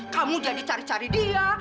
kamu jadi cari cari dia